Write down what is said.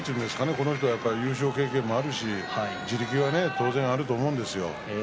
この人は優勝経験もあるし地力も当然あると思うんですよ。